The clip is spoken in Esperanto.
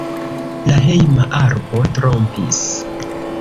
La hejma arbo trompis.